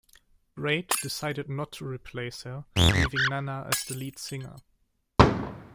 Braid decided not to replace her, leaving Nanna as the lead singer.